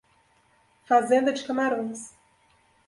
Fazenda de camarões